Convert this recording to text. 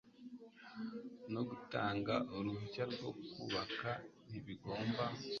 no gutanga uruhushya rwo kubaka ntibigomba